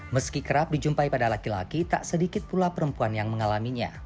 meski kerap dijumpai pada laki laki tak sedikit pula perempuan yang mengalaminya